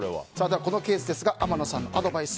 このケースですが天野さんのアドバイス